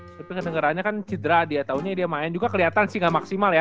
tapi kedengerannya kan cedera dia taunya dia main juga kelihatan sih nggak maksimal ya